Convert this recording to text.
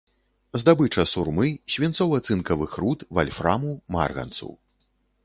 Здабыча сурмы, свінцова-цынкавых руд, вальфраму, марганцу.